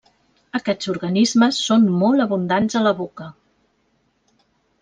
Aquests organismes són molt abundants a la boca.